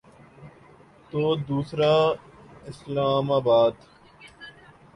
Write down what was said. تو دوسرا اسلام آباد۔